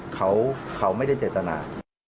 เขาไม่ได้เจตนา